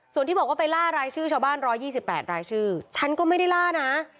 ส่วนที่บอกว่าไปล่ารายชื่อชาวบ้าน๑๒๘รายชื่อฉันก็ไม่ได้ล่านะ